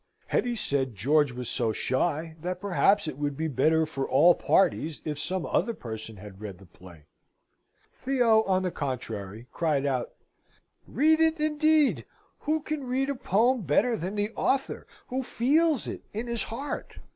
Hetty said George was so shy, that perhaps it would be better for all parties if some other person had read the play. Theo, on the contrary, cried out: "Read it, indeed! Who can read a poem better than the author who feels it in his heart?